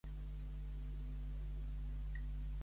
Qui és el portaveu de Ciutadans?